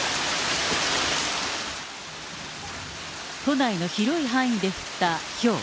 都内の広い範囲で降ったひょう。